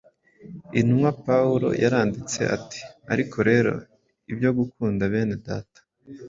Intumwa Pawulo yaranditse ati: “Ariko rero, ibyo gukunda bene Data,